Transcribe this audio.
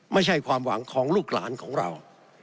ไม่ใช่ความหวังของลูกหลานของเรา